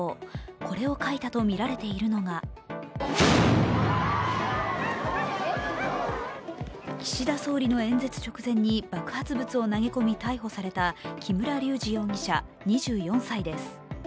これを書いたとみられているのが岸田総理の演説直前に爆発物を投げ込み逮捕された木村隆二容疑者２４歳です。